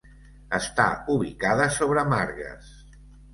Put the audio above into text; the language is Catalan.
Està ubicada sobre margues.